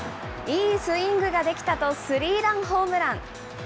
いいスイングができたと、スリーランホームラン。